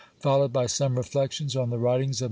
... Followed by some Reflections on the writings of M.